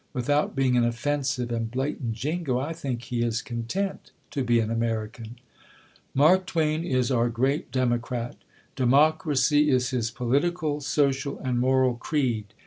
Without being an offensive and blatant Jingo, I think he is content to be an American. Mark Twain is our great Democrat. Democracy is his political, social, and moral creed.